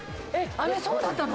あれそうだったの？